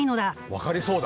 分かりそうだ。